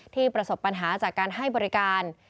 ประสบปัญหาจากการให้บริการ